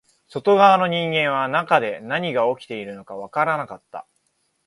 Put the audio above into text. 外側の人間は中で何が起きているのかわからなかった